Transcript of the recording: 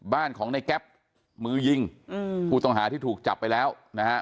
บ้านของในแก๊ปมือยิงอืมผู้ต้องหาที่ถูกจับไปแล้วนะฮะ